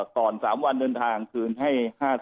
ก่อน๓วันเดินทางคืนให้๕๐